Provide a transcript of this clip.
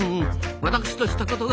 私としたことが。